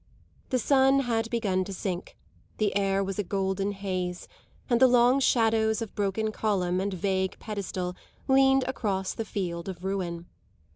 The sun had begun to sink, the air was a golden haze, and the long shadows of broken column and vague pedestal leaned across the field of ruin.